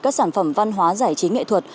các sản phẩm văn hóa giải trí nghệ thuật